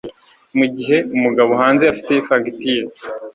mugihe umugabo hanze afite fagitire